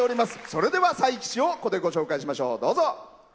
それでは佐伯市をここでご紹介しましょう。